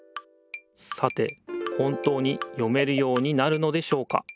さて本当に読めるようになるのでしょうか？